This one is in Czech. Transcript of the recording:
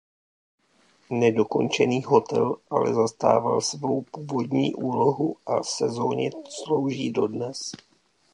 Nedokončený hotel ale zastával svou původní úlohu a sezónně slouží dodnes.